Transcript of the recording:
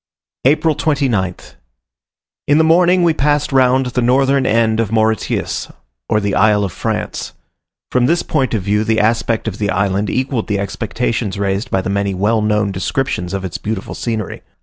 APRIL 29th. In the morning we passed round the northern end of Mauritius, or the Isle of France. From this point of view the aspect of the island equalled the expectations raised by the many well known descriptions of its beautiful scenery.